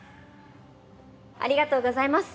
ありがとうございます。